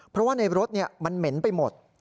เพราะว่าในรถมันเหม็นไปหมด